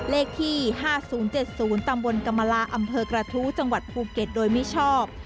เลขที่๕๐๗๐ตำบลกรรมลาอำเภอกระทู้จังหวัดภูเก็ตโดยมิชอบ